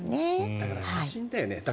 だから写真だよね。